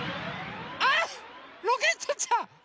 あっロケットちゃん。